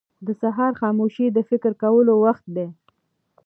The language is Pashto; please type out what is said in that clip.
• د سهار خاموشي د فکر کولو وخت دی.